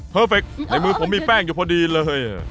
เพอร์เฟกต์ในมือผมมีแป้งอยู่พอดีเลย